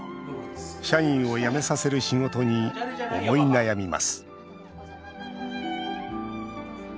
社員を辞めさせる仕事に思い悩みます。